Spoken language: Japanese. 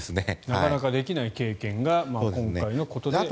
なかなかできない経験が今回のことでできる。